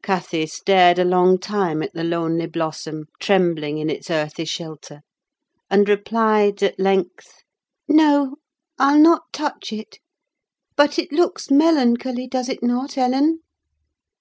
Cathy stared a long time at the lonely blossom trembling in its earthy shelter, and replied, at length—"No, I'll not touch it: but it looks melancholy, does it not, Ellen?"